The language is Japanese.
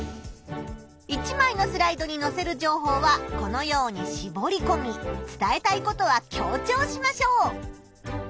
１まいのスライドにのせる情報はこのようにしぼりこみ伝えたいことは強調しましょう！